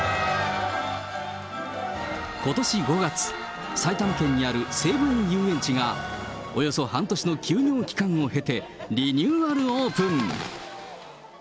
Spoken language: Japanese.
ことし５月、埼玉県にある西武園ゆうえんちがおよそ半年の休業期間を経て、リニューアルオープン。